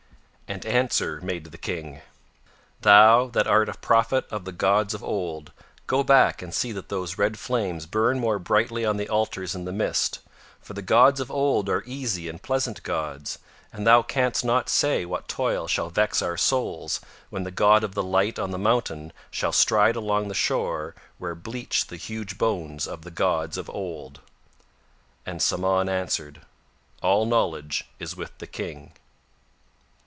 And answer made the King: "Thou that art a prophet of the gods of Old, go back and see that those red flames burn more brightly on the altars in the mist, for the gods of Old are easy and pleasant gods, and thou canst not say what toil shall vex our souls when the god of the light on the mountain shall stride along the shore where bleach the huge bones of the gods of Old." And Samahn answered: "All knowledge is with the King."